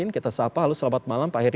kita sapa halo selamat malam pak heri